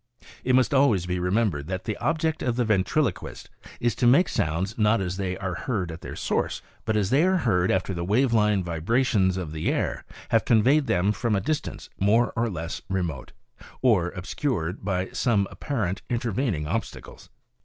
It must always be remembered that the object of the ventrilo quist is to make sounds not as they are heard at their source, but as they are heard after the wave line vibrations of the air have conveyed them from a distance more or less remote, or obscured by some apparent intervening obstacles.